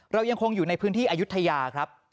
เรายังคงอยู่ในพื้นที่อายุทยาครับ